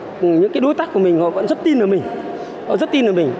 trong tấn công thì những cái đối tác của mình họ vẫn rất tin vào mình họ rất tin vào mình